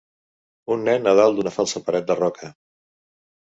Un nen a dalt d'una falsa paret de roca.